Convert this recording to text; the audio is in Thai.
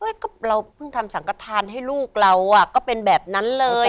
ก็เราเพิ่งทำสังกฐานให้ลูกเราก็เป็นแบบนั้นเลย